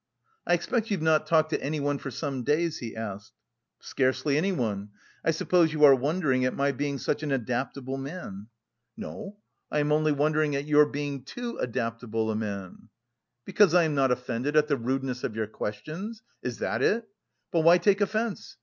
"I expect you've not talked to anyone for some days?" he asked. "Scarcely anyone. I suppose you are wondering at my being such an adaptable man?" "No, I am only wondering at your being too adaptable a man." "Because I am not offended at the rudeness of your questions? Is that it? But why take offence?